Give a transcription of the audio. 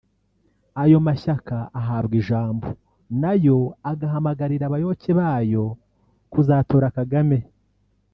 Ayo mashyaka ahabwa ijambo na yo agahamagarira abayoboke ba yo kuzatora Kagame